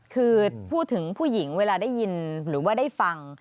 คือพูดถึงผู้หญิงเวลาได้ยินหรือว่าได้ฟัง